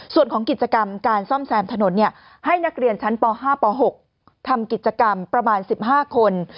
ส่วนของกิจกรรมการซ่อมแซมถนนให้นักเรียนชั้นป๕ป๖ทำกิจกรรมประมาณ๑๕คน